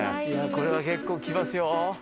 いやこれは結構きますよ。